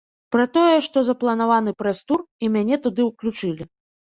Пра тое, што запланаваны прэс-тур і мяне туды ўключылі.